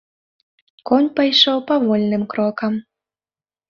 Конь пайшоў павольным крокам.